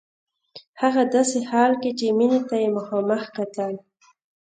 هغه داسې حال کې چې مينې ته يې مخامخ کتل.